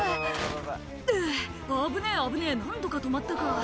「あぁ危ねぇ危ねぇ何とか止まったか」